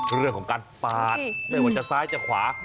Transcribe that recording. เรื่องของการปาดไม่ว่าจะซ้ายจะขวา